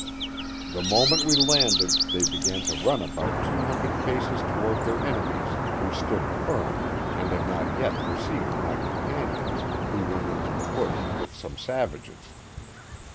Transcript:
The moment we landed they began 'to run about two hundred paces toward their enemies, who stood firm, and had not yet perceived my companions, who went into the bush with some savages.